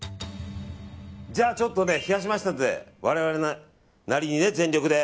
じゃあちょっとね冷やしましたので我々なりに全力で。